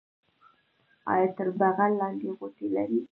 ایا تر بغل لاندې غوټې لرئ؟